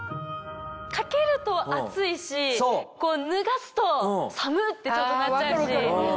掛けると暑いし脱がすと寒っ！てちょっとなっちゃうし。